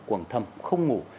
quần thâm không ngủ